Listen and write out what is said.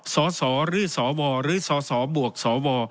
สสหรือสวหรือสสบวกสว